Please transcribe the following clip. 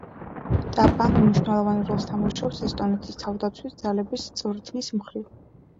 ტაპა მნიშვნელოვან როლს თამაშობს ესტონეთის თავდაცვის ძალების წვრთნის მხრივ.